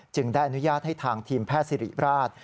ได้อนุญาตให้ทางทีมแพทย์สิริราช